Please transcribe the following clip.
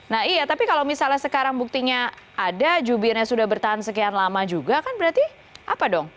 nah iya tapi kalau misalnya sekarang buktinya ada jubirnya sudah bertahan sekian lama juga kan berarti apa dong